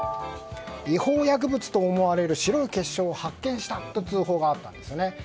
違法薬物と思われる白い結晶を発見したと通報があったんですね。